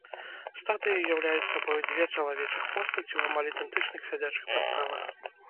Статуі ўяўляюць сабою дзве чалавечых постаці ў амаль ідэнтычных сядзячых паставах.